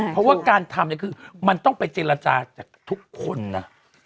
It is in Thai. เพราะว่าการทำมันก็ต้องไปเจรจาทุกคนน่ะ